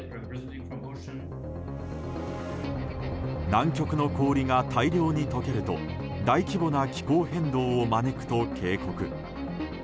南極の氷が大量に解けると大規模な気候変動を招くと警告。